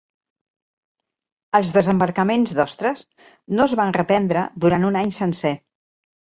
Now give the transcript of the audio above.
Els desembarcaments d'ostres no es van reprendre durant un any sencer.